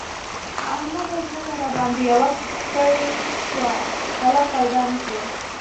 احمده! ځمکه راباندې يوه کړۍ شوه؛ قلم پيدا نه شو.